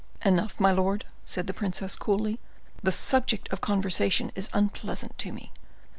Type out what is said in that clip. "Enough, my lord," said the princess, coolly; "the subject of conversation is unpleasant to me."